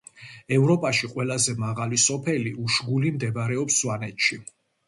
ევროპაში ყველაზე მაღალი სოფელი უშგული მდებარეობს სვანეთში